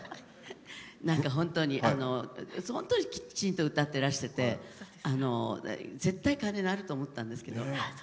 本当にきちんと歌ってらしてて絶対鐘、鳴ると思ったんですけど。